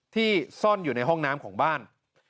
ซ่อนอยู่ในห้องน้ำของบ้าน